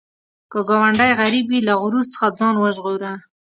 که ګاونډی غریب وي، له غرور څخه ځان وژغوره